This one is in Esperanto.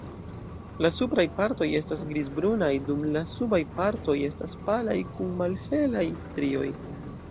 La supraj partoj estas grizbrunaj dum la subaj partoj estas palaj kun malhelaj strioj.